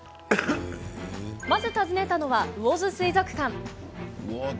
まず、訪ねたのは魚津水族館。